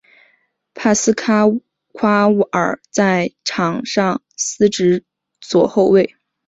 帕斯夸尔在场上司职左后卫。